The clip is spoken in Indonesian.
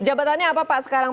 jabatannya apa pak sekarang